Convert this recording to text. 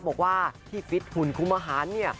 บอกว่าที่ฟิตหุ่นคุมอาหารเนี่ย